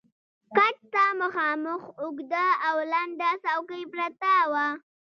کټ ته مخامخ اوږده او لنډه څوکۍ پرته وه.